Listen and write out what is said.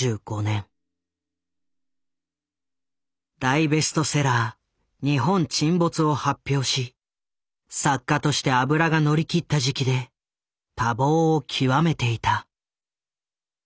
大ベストセラー「日本沈没」を発表し作家として脂が乗り切った時期で多忙を極めていた。